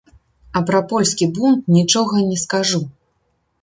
А пра польскі бунт нічога не скажу!